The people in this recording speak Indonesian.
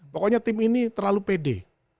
pokoknya tim ini terlalu pede